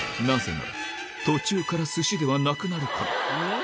なぜなら途中からすしではなくなるから。